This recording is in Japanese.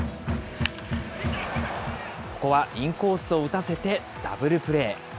ここはインコースを打たせてダブルプレー。